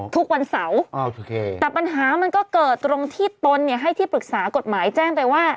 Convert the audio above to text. ทุกวันเสาร์แต่ปัญหามันก็เกิดตรงที่ตนเนี่ยให้ที่ปรึกษากฎหมายแจ้งไปว่า